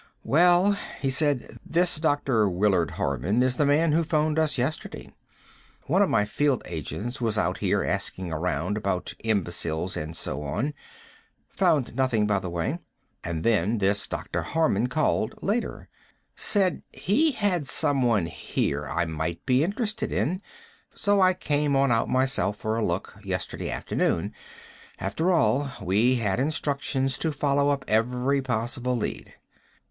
"Well," he said, "this Dr. Willard Harman is the man who phoned us yesterday. One of my field agents was out here asking around about imbeciles and so on. Found nothing, by the way. And then this Dr. Harman called, later. Said he had someone here I might be interested in. So I came on out myself for a look, yesterday afternoon ... after all, we had instructions to follow up every possible lead."